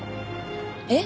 えっ？